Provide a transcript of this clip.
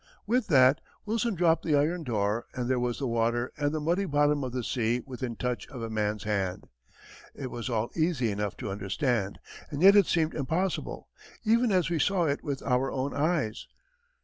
With that, Wilson dropped the iron door, and there was the water and the muddy bottom of the sea within touch of a man's hand. It was all easy enough to understand, and yet it seemed impossible, even as we saw it with our own eyes.